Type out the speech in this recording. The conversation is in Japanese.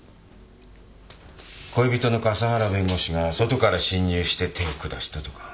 恋人の笠原弁護士が外から侵入して手を下したとか。